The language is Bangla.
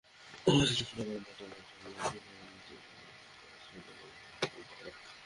মসজিদের খোলা বারান্দায় টানানো শামিয়ানার নিচে সারিবদ্ধ হয়ে বসে পড়ছেন তাঁরা।